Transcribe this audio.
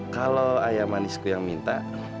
kalau ayam manisku yang minta